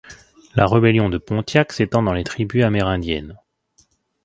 La Rébellion de Pontiac s'étend dans les tribus amérindiennes.